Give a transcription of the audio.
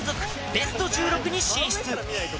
ベスト１６に進出。